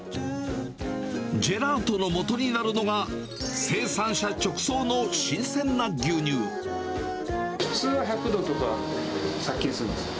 ジェラートのもとになるのが、普通は１００度とか、殺菌するんですよ。